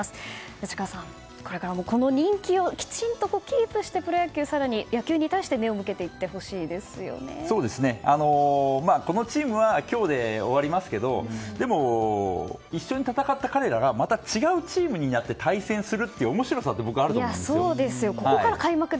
内川さん、これからもこの人気をきちんとキープしてプロ野球、更に野球に対して目を向けて行ってこのチームは今日で終わりますけど一緒に戦った彼がまた違うチームになって対戦する面白さって僕はあると思うんですよ。